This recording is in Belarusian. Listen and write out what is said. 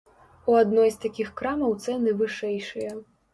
У адной з такіх крамаў цэны вышэйшыя.